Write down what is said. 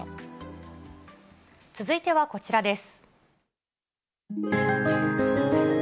続いてはこちらです。